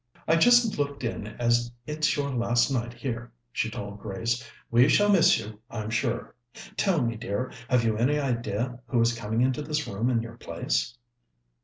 "I just looked in as it's your last night here," she told Grace. "We shall miss you, I'm sure. Tell me, dear, have you any idea who is coming into this room in your place?"